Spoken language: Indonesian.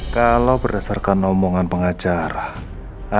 kalau berdasarkan omongan pengacara